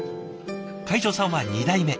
会長さんは２代目。